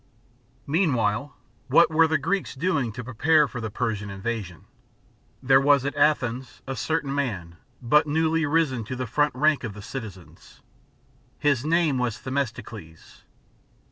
MEANWHILE, what were the Greeks doing, to prepare for the Persian invasion ? There \vas at , Athens, a certain man, but newly risen into the front rank of the citizens. His name was Themis tocles.